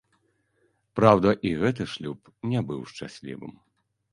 Праўда, і гэты шлюб не быў шчаслівым.